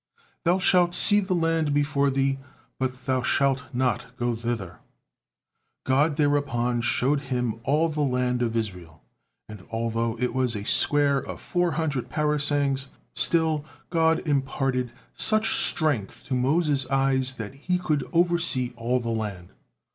'Thou shalt see the land before thee; but thou shalt not go thither.'" God thereupon showed him all the land of Israel, and although it was a square of four hundred parasangs, still God imparted such strength to Moses' eyes that he could oversee all the land.